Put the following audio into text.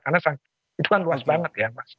karena itu kan luas banget ya mas